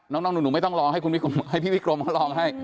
น้องหนูไม่ต้องลองให้พี่พิกรมลองให้